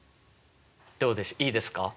どうでしょういいですか？